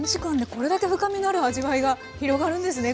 これだけ深みのある味わいが広がるんですね